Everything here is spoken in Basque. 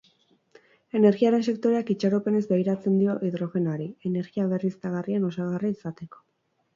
Energiaren sektoreak itxaropenez begiratzen dio hidrogenoari, energia berriztagarrien osagarri izateko.